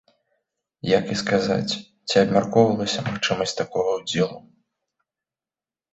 Як і сказаць, ці абмяркоўвалася магчымасць такога ўдзелу.